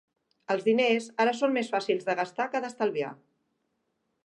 Els diners ara són més fàcils de gastar que d'estalviar.